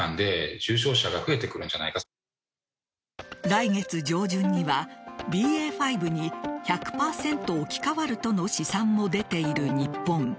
来月上旬にはＢＡ．５に１００％置き換わるとの試算も出ている日本。